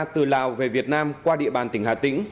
từ lào về việt nam qua địa bàn tỉnh hà tĩnh